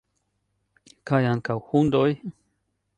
Kaj ankaŭ hundoj?